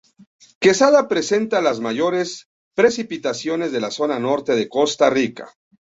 Quesada presenta las mayores precipitaciones de la Zona Norte de Costa Rica.